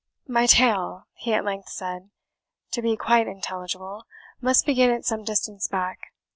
"My tale," he at length said, "to be quite intelligible, must begin at some distance back.